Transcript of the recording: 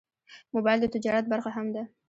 موبایل د تجارت برخه هم ده.